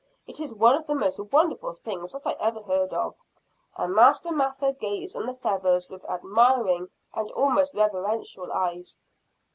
It is one of the most wonderful things that I ever heard of," and Master Mather gazed on the feathers with admiring and almost reverential eyes.